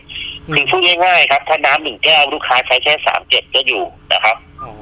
ถึงช่วยง่ายง่ายครับถ้าน้ำหนึ่งแก้วลูกค้าใช้แค่สามเจ็ดก็อยู่นะครับ